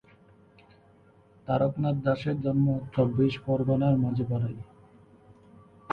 তারকনাথ দাসের জন্ম চব্বিশ পরগনার মাঝিপাড়ায়।